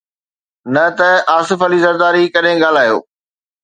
نه ته آصف علي زرداري ڪڏهن ڳالهايو.